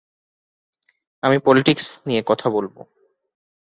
আমি পলিটিক্স নিয়ে কথা বলব।